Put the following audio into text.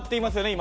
今。